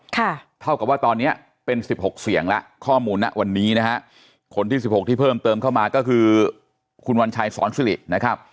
ค่ะเท่ากับว่าตอนนี้เป็น๑๖เสียงละข้อมูลนะวันนี้นะฮะคนที่๑๖ที่เพิ่มเติมเข้ามาก็คือคุณวันชายสอนสิรินะครับ